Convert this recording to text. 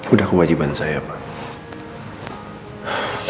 udah kewajiban saya pak